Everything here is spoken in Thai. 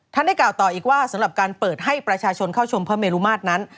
ได้กล่าวต่ออีกว่าสำหรับการเปิดให้ประชาชนเข้าชมพระเมรุมาตรนั้น